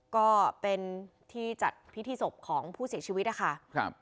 ก็เป็นที่จัดพิธีศพของผู้เสียชีวิตนะคะครับ